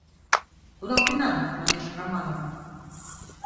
— Кудалтенам, — манеш Романова.